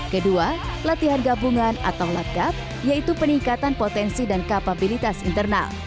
kedua latihan gabungan atau labkap yaitu peningkatan potensi dan kapabilitas internal